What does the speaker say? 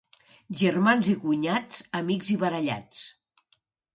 Germans i cunyats, amics i barallats.